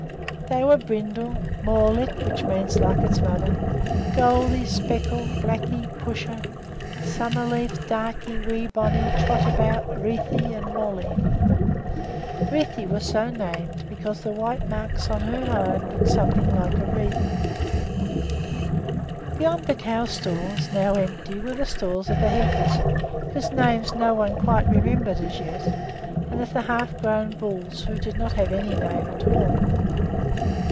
They were Brindle, Morlik (which means "like its mother"), Goldie, Speckle, Blackie, Pusher, Summer Leaf, Darkey, Wee Bonny, Trot About, Wreathie, and Moolley. Wreathie was so named because the white marks on her hide looked something like a wreath. Mulley (cow without horns). Beyond the cow stalls, now empty, were the stalls of the heifers, whose names no one quite remembered as yet, and of the half grown bulls, who did not have any names at all.